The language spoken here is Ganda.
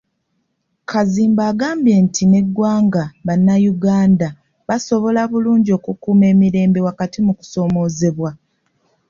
Kazimba agambye nti ng'eggwanga bannayuganda basobola bulungi okukuuma emirembe wakati mu kusoomoozebwa.